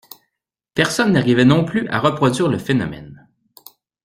Personne n’arrivait non plus à reproduire le phénomène.